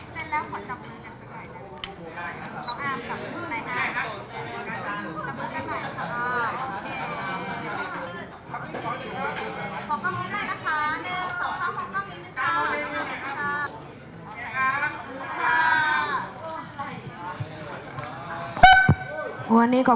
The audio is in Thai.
ขอขอบคุณหน่อยนะคะ